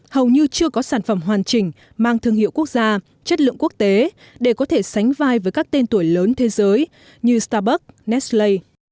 hầu như chưa có sản phẩm hoàn chỉnh mang thương hiệu quốc gia chất lượng quốc tế để có thể sánh vai với các tên tuổi lớn thế giới như starbuck nestlay